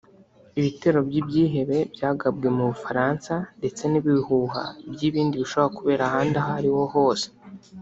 Ibitero by’ibyihebe byagabwe mu Bufaransa ndetse n’ibihuha by’ibindi bishobora kubera ahandi aho ariho hose